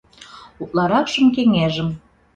Утларакшым кеҥежым.